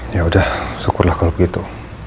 yaudah syukurlah kalau begitu